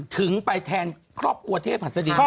ถึงไปแทนครอบครัวเทพศรีราชินิยะ